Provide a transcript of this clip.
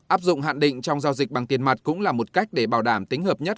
áp dụng hạn định trong giao dịch bằng tiền mặt cũng là một cách để bảo đảm tính hợp nhất